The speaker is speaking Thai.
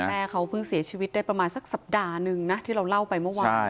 แม่เขาเพิ่งเสียชีวิตได้ประมาณสักสัปดาห์หนึ่งนะที่เราเล่าไปเมื่อวาน